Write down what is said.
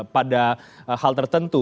pada hal tertentu